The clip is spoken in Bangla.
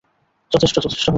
যথেষ্ট, যথেষ্ট হয়েছে!